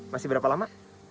masih berapa lama